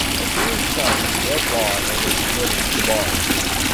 I tutored some, read law, and was admitted to the bar.